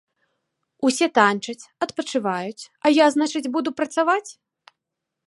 Усе танчаць, адпачываюць, а я, значыць, буду працаваць?